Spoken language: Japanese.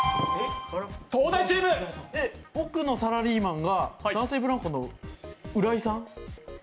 奥のサラリーマンが男性ブランコの浦井さん？